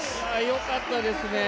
よかったですね